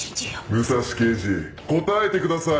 武蔵刑事答えてください！